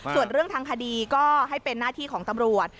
ส่วนเรื่องทางคดีก็ให้เป็นหน้าที่ของตำรวจ